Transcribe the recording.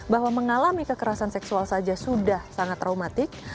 bahwa mengalami kekerasan seksual saja sudah sangat traumatik